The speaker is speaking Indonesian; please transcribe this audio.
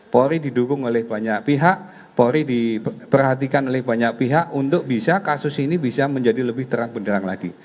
polri didukung oleh banyak pihak polri diperhatikan oleh banyak pihak untuk bisa kasus ini bisa menjadi lebih terang benderang lagi